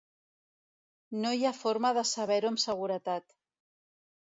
No hi ha forma de saber-ho amb seguretat.